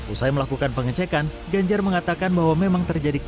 usai melakukan pengecekan ganjar mengatakan bahwa memang terjadi